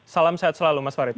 salam sehat selalu mas farid